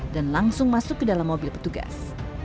dan langsung masuk ke dalam mobil petugas